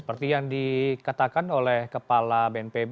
seperti yang dikatakan oleh kepala bnpb